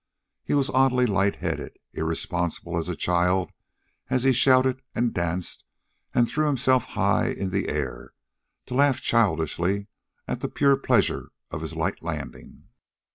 He was oddly light headed, irresponsible as a child as he shouted and danced and threw himself high in the air, to laugh childishly at the pure pleasure of his light landing.